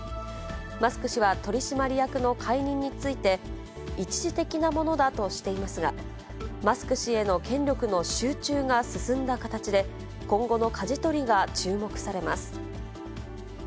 マスク氏は取締役の解任について、一時的なものだとしていますが、マスク氏への権力の集中が進んだ形で、今後のかじ取りが注目されます。